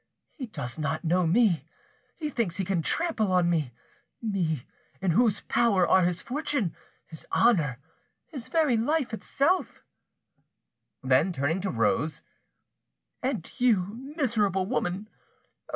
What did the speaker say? He does not know me! He thinks he can trample on me—me, in whose power are his fortune, his honour, his very life itself!" Then, turning to Rose— "And you, miserable woman!